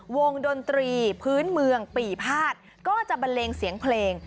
ดนตรีพื้นเมืองปีพาดก็จะบันเลงเสียงเพลง